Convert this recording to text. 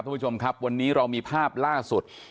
น้องมูล๔๐๐วันนี้เรามีภาพล่าสุด